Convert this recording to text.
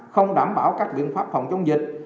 không đảm bảo các biện pháp phòng chống dịch